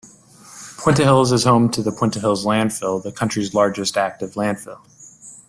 Puente Hills is home to the Puente Hills Landfill, the country's largest active landfill.